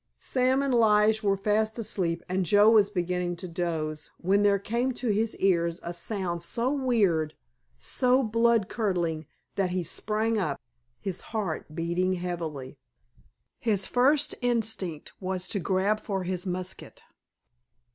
Sam and Lige were fast asleep and Joe was beginning to doze, when there came to his ears a sound so weird, so blood curdling that he sprang up, his heart beating heavily. His first instinct was to grab for his musket.